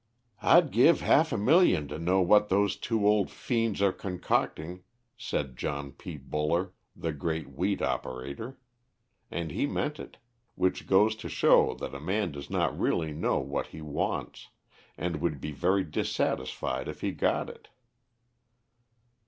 "I'd give half a million to know what those two old fiends are concocting," said John P. Buller, the great wheat operator; and he meant it; which goes to show that a man does not really know what he wants, and would be very dissatisfied if he got it.